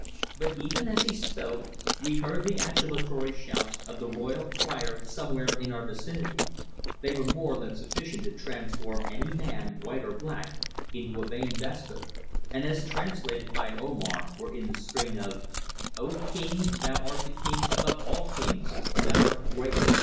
But even as he spoke we heard the adulatory shouts of the royal crier somewhere in our vicinity. They were more than sufficient to transform any man, white or black, into a vain despot, and as translated by Omar were in the strain of: "O, King, thou art the king above all kings! Thou art great!